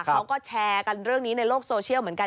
เขาก็แชร์กันเรื่องนี้ในโลกโซเชียลเหมือนกัน